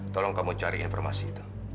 tolong kamu cari informasi itu